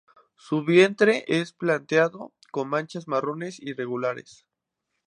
Su vientre es plateado con manchas marrones irregulares.